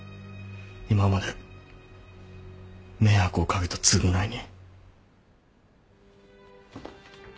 今まで迷惑を掛けた償いに。